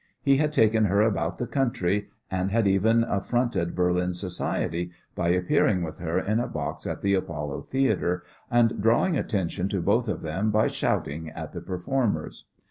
He had taken her about the country, and had even affronted Berlin society by appearing with her in a box at the Apollo Theatre, and drawing attention to both of them by shouting at the performers.